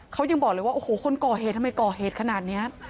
เขายังบอกเลยว่าโอ้โหคนก่อเหตุทำไมก่อเหตุขนาดนี้